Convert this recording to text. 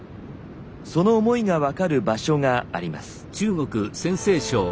その思いが分かる場所があります。